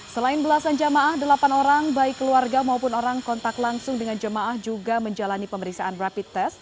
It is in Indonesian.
selain belasan jamaah delapan orang baik keluarga maupun orang kontak langsung dengan jemaah juga menjalani pemeriksaan rapid test